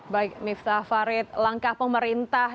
baik miftah farid langkah pemerintah